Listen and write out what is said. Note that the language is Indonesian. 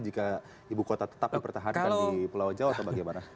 jika ibu kota tetap dipertahankan di pulau jawa atau bagaimana